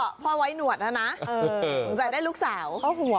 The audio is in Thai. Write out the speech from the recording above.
พ่อพ่อไว้หนวดนะสนุกใจได้ลูกสาว